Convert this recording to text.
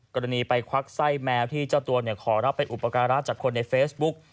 กรณีไปควักไส้แมวที่เจ้าตัวขอรับไปอุปการะจากคนในเฟซบุ๊ก